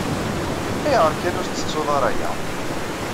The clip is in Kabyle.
Ayɣer kan ur tettettuḍ ara aya?